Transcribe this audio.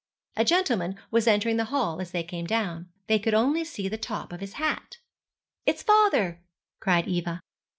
A gentleman was entering the hall as they came down. They could only see the top of his hat. 'It's father,' cried Eva.